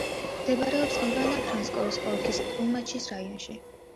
მდებარეობს ივანო-ფრანკოვსკის ოლქის ტლუმაჩის რაიონში.